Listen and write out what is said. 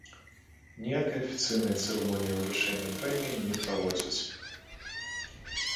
Ніякай афіцыйнай цырымоніі ўручэння прэміі не праводзяць.